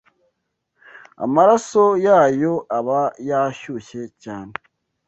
Amaraso yayo aba yashyushye cyane